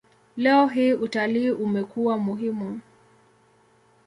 Leo hii utalii umekuwa muhimu.